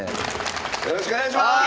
よろしくお願いします！